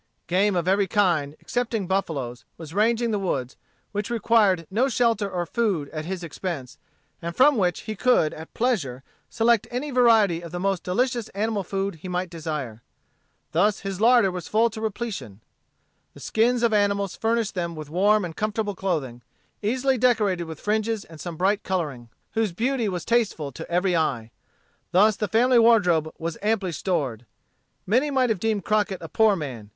Game of every kind, excepting buffaloes, was ranging the woods, which required no shelter or food at his expense, and from which he could, at pleasure, select any variety of the most delicious animal food he might desire. Thus his larder was full to repletion. The skins of animals furnished them with warm and comfortable clothing, easily decorated with fringes and some bright coloring, whose beauty was tasteful to every eye. Thus the family wardrobe was amply stored. Many might have deemed Crockett a poor man.